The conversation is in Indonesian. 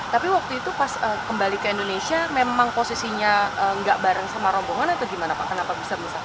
tapi waktu itu pas kembali ke indonesia memang posisinya nggak bareng sama rombongan atau gimana pak kenapa bisa merusak